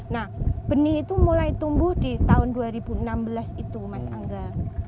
nah benih itu mulai tumbuh di tahun dua ribu enam belas itu mas angga